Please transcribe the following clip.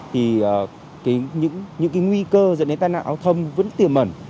thì những nguy cơ dẫn đến tai nạn giao thông vẫn tiềm mẩn